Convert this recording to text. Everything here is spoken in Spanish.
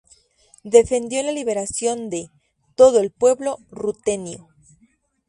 Defendió la liberación de "todo el pueblo rutenio".